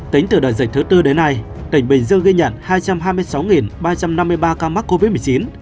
tính từ đại dịch thứ tư đến nay tỉnh bình dương ghi nhận hai trăm hai mươi sáu ba trăm năm mươi ba ca mắc covid một mươi chín